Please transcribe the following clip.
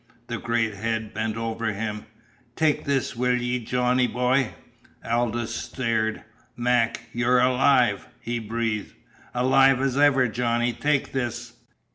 The great head bent over him. "Take this, will 'ee, Johnny boy?" Aldous stared. "Mac, you're alive," he breathed. "Alive as ever was, Johnny. Take this."